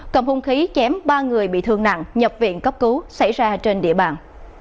cầm hung khí chém ba người bị thương nặng nhập viện cấp cứu xảy ra trên địa bàn